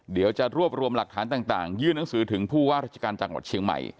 เดี๋ยวจะรวบรวมหลักฐานต่างยื่นหนังสือถึงผู้ว่าราชการจังหวัดเชียงใหม่